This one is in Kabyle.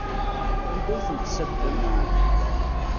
Anda ay tent-tessagdemt?